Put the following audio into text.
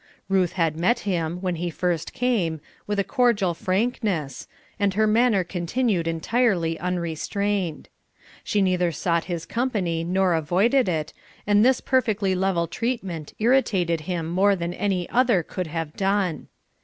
Ruth had met him, when he first came, with a cordial frankness, and her manner continued entirely unrestrained. She neither sought his company nor avoided it, and this perfectly level treatment irritated him more than any other could have done.